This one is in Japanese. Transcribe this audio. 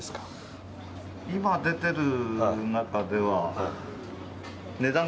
今出てる中では。